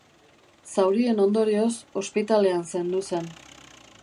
Zaurien ondorioz, ospitalean zendu zen.